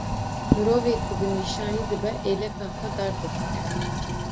Mirovê ku bi nîşanî dibe êleka xwe darda dike